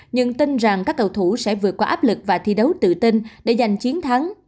nhưng tin rằng các cầu thủ sẽ vượt qua áp lực và thi đấu tự tin để giành chiến thắng